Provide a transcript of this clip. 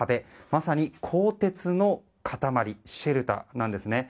まさに鋼鉄の塊シェルターなんですね。